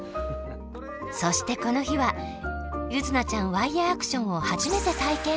そしてこの日は柚凪ちゃんワイヤーアクションをはじめて体験。